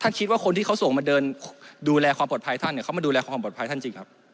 คิดว่าคนที่เขาส่งมาเดินดูแลความปลอดภัยท่านเนี่ยเขามาดูแลความปลอดภัยท่านจริงครับ